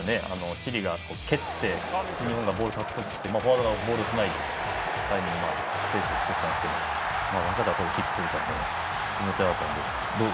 チリが蹴って日本がボールを獲得してフォワードがボールをつないでスペースを作ったんですがまさかキックするとは思ってなかったので。